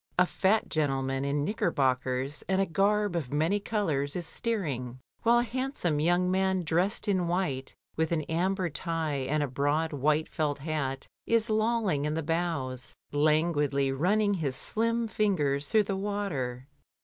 A fat gentleman in knickerbockers and a garb of many colours is steering, while a handsome young man dressed in white with an amber tie and a broad white felt hat is lolling in the bows, languidly running his slim fingers through the water.